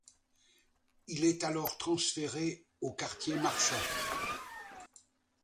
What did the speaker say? Il est alors transféré au quartier marchand.